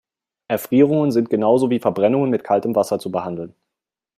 Erfrierungen sind genau so wie Verbrennungen mit kaltem Wasser zu behandeln.